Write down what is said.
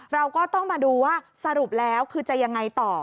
เราก็ต้องมาดูว่าสรุปแล้วคือจะยังไงต่อ